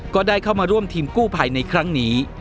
ก็ได้เข้ามาร่วมทีมกู้ภัยในครั้งนี้